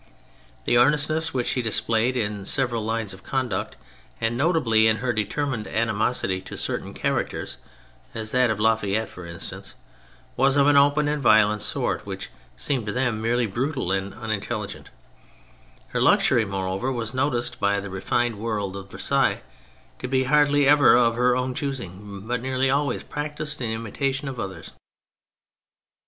The earnestness which she displayed in several lines of conduct, and notably in her determined animosity to certain characters (as that of La Fayette, for instance), was of an open and violent sort which seemed to them merely brutal and unintelligent ; her luxury, moreover, was noticed by the refined 52 THE FRENCH REVOLUTION world of Versailles to be hardly ever of her own choosing, but nearly always practised in imitation of others.